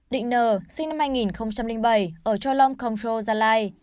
đình n sinh năm hai nghìn bảy ở châu long công châu gia lai